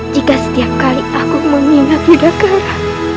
jika setiap kali aku mengingat negara